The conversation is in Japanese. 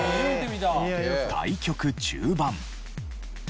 対局中盤。